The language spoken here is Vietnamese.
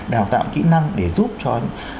đào tạo kỹ năng để giúp cho